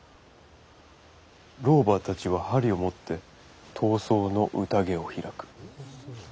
老婆たちは針を持って痘瘡の宴を開く？